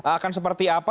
akan seperti apa